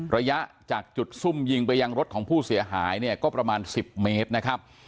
ระยะจากจุดซุ่มยิงไปยังรถของผู้เสียหายเนี่ยก็ประมาณ๑๐เมตรนะครับ